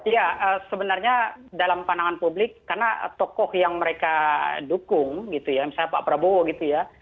ya sebenarnya dalam pandangan publik karena tokoh yang mereka dukung gitu ya misalnya pak prabowo gitu ya